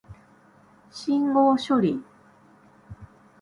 信号処理